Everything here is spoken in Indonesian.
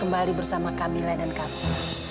kembali bersama kamilah dan kamilah